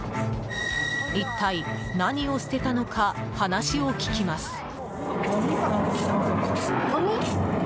一体何を捨てたのか話を聞きます。